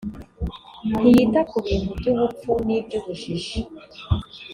ntiyita kubintu by ‘ubupfu n’ ubujiji.